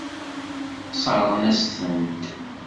Sseṛɣen-asen-tent.